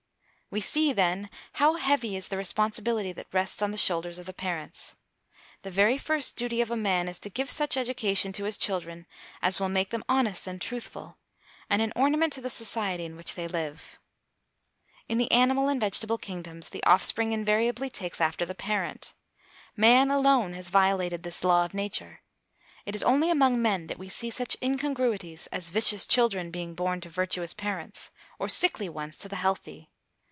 We see, then, how heavy is the responsibility that rests on the shoulders of parents. The very first duty of a man is to give such education to his children as will make them honest and truthful, and an ornament to the society in which they live. In the animal and vegetable kingdoms, the offspring invariably takes after the parent. Man alone has violated this law of Nature. It is only among men that we see such incongruities as vicious children being born to virtuous parents, or sickly ones to the healthy.